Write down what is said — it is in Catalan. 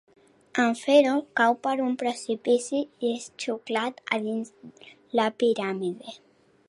En fer-ho, cau per un precipici i és xuclat a dins la piràmide.